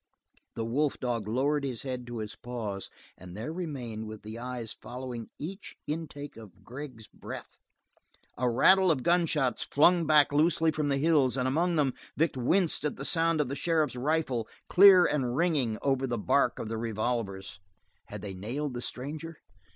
The wolf dog lowered his head to his paws and there remained with the eyes following each intake of Gregg's breath. A rattle of gunshots flung back loosely from the hills, and among them Vic winced at the sound of the sheriff's rifle, clear and ringing over the bark of the revolvers. Had they nailed the stranger?